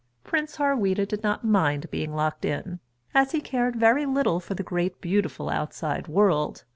Prince Harweda did not mind being locked in, as he cared very little for the great beautiful outside world.